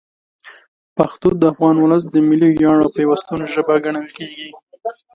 پښتو د افغان ولس د ملي ویاړ او پیوستون ژبه ګڼل کېږي.